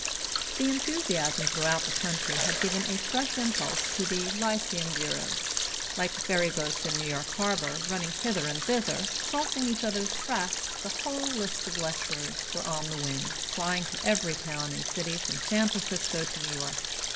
The enthusiasm throughout the country had given a fresh impulse to the lyceum bureaus. Like the ferryboats in New York harbor, running hither and thither, crossing each other's tracks, the whole list of lecturers were on the wing, flying to every town and city from San Francisco to New York.